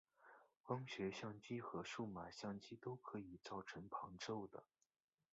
光学相机和数码相机都可以造成旁轴的。